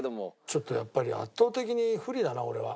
ちょっとやっぱり圧倒的に不利だな俺は。